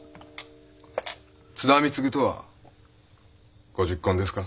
津田貢とは御昵懇ですか？